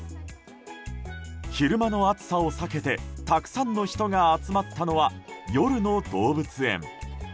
昼間の暑さを避けてたくさんの人が集まったのは夜の動物園。